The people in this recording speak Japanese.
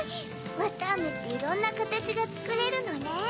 わたあめっていろんなかたちがつくれるのね。